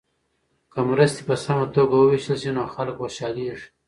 که مرستې په سمه توګه وویشل سي نو خلک خوشحالیږي.